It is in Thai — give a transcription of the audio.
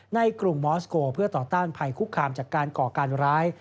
กรุงมอสโกเพื่อต่อต้านภัยคุกคามจากการก่อการร้าย